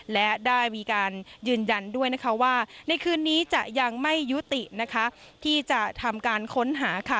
และได้มีการยืนยันด้วยนะคะว่าในคืนนี้จะยังไม่ยุตินะคะที่จะทำการค้นหาค่ะ